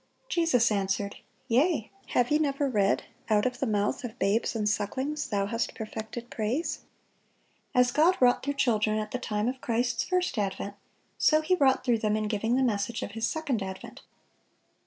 Jesus answered, "Yea; have ye never read, Out of the mouth of babes and sucklings Thou hast perfected praise?" As God wrought through children at the time of Christ's first advent, so He wrought through them in giving the message of His second advent.